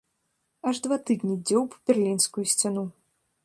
Аж два тыдні дзёўб берлінскую сцяну.